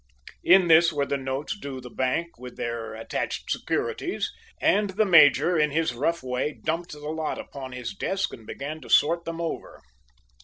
In this were the notes due the bank with their attached securities, and the major, in his rough way, dumped the lot upon his desk and began to sort them over.